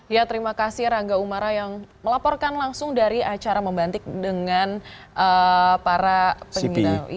ya terima kasih rangga umara yang melaporkan langsung dari acara membantik dengan para penyina